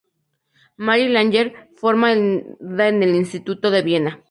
Marie Langer, formada en el Instituto de Viena.